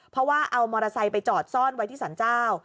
เพราะว่าเอามอเตอร์ไซค์ไปจอดซ่อนไว้ที่สรรเจ้า